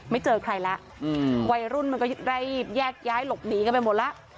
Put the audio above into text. เจอใครแล้ววัยรุ่นมันก็ได้แยกย้ายหลบหนีกันไปหมดแล้ว